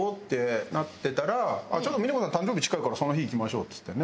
「あっちょうど峰子さん誕生日近いからその日行きましょう」っつってね。